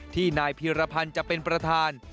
ที่นายพีรพันธ์จะเป็นประธาน